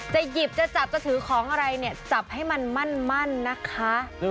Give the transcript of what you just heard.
หยิบจะจับจะถือของอะไรเนี่ยจับให้มันมั่นนะคะ